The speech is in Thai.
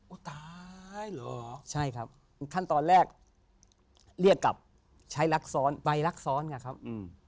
ตายเหรอใช่ครับขั้นตอนแรกเรียกกลับใช้รักซ้อนใบรักซ้อนไงครับอืม